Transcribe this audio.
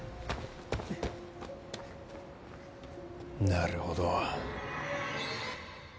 なるほど。